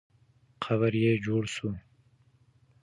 قبر یې جوړ سو.